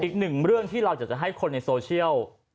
อีกหนึ่งเรื่องที่เราอยากจะให้คนในโซเชียล